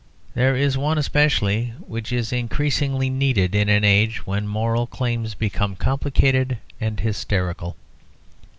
There is one especially which is increasingly needed in an age when moral claims become complicated and hysterical.